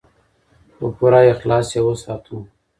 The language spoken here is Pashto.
په پوره اخلاص یې وساتو.